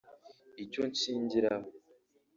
« Icyo nshingiraho